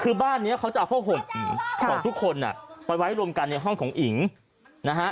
คือบ้านนี้เขาจะเอาผ้าห่มของทุกคนไปไว้รวมกันในห้องของอิ๋งนะฮะ